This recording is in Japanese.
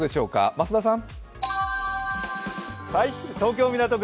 増田さん。